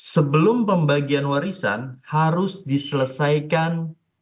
sebelum pembagian warisan harus diselesaikan